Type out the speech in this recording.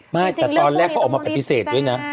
ไม่แต่ตอนแรกเขาออกมาปฏิเสธด้วยนะ